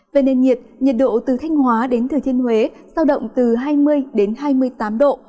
về nền nhiệt độ từ thanh hóa đến thừa thiên huế giao động từ hai mươi đến hai mươi tám độ